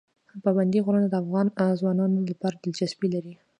پابندی غرونه د افغان ځوانانو لپاره دلچسپي لري.